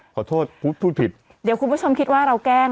ขอโทษพูดพูดผิดเดี๋ยวคุณผู้ชมคิดว่าเราแกล้ง